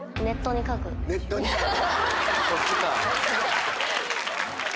そっちか。